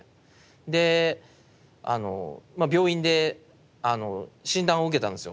で病院で診断を受けたんですよ。